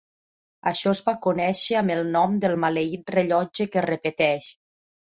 Això es va conèixer amb el nom del maleït "rellotge que es repeteix".